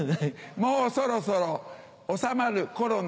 もうそろそろ収まるコロナ。